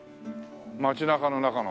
街中の中の。